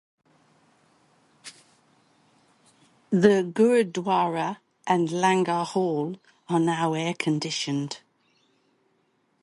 The Gurudwara and Langar Hall are now air-conditioned.